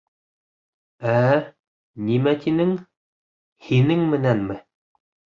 — Ә-ә, нимә тинең, һинең менәнме?